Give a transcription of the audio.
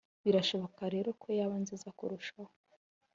birashoboka rero ko yaba nziza kurushaho”